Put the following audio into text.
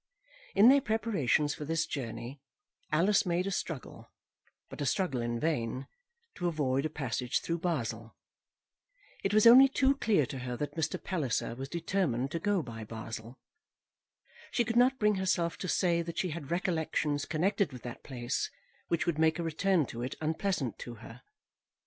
In their preparations for this journey, Alice made a struggle, but a struggle in vain, to avoid a passage through Basle. It was only too clear to her that Mr. Palliser was determined to go by Basle. She could not bring herself to say that she had recollections connected with that place which would make a return to it unpleasant to her.